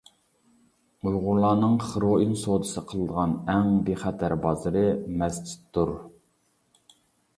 ئۇيغۇرلارنىڭ خىروئىن سودىسى قىلىدىغان ئەڭ بىخەتەر بازىرى مەسچىتتۇر.